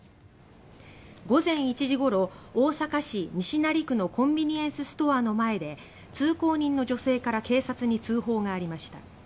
午前１時ごろ、大阪市西成区のコンビニエンスストアの前で通行人の女性から警察に通報がありました。